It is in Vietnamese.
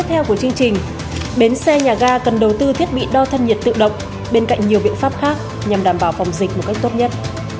tiếp theo của chương trình bến xe nhà ga cần đầu tư thiết bị đo thân nhiệt tự động bên cạnh nhiều biện pháp khác nhằm đảm bảo phòng dịch một cách tốt nhất